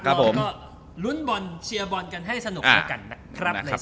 เราก็ลุ้นบอลเชียร์บอลกันให้สนุกแล้วกันนะครับ